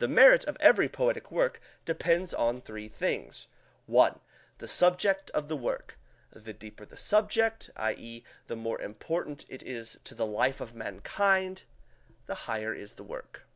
The merit of every poetic work depends on three things: (1) The subject of the work: the deeper the subject, i.e., the more important it is to the life of mankind, the higher is the work.